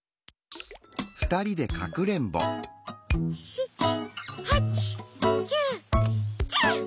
７８９１０！